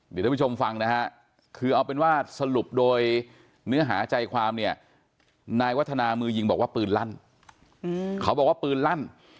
เดี๋ยวท่านผู้ชมฟังนะฮะคือเอาเป็นว่าสรุปโดยเนื้อหาใจความเนี่ยนายวัฒนามือยิงบอกว่าปืนลั่นเขาบอกว่าปืนลั่น